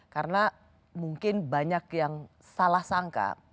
karena mungkin banyak yang salah sangka